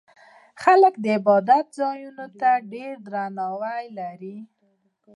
خلک د عبادت ځایونو ته ډېر درناوی لري.